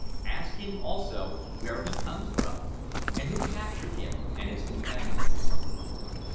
Ask him, also, where he comes from, and who captured him and his companions."